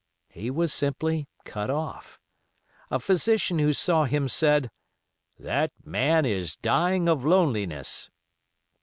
He was simply cut off. A physician who saw him said, "That man is dying of loneliness."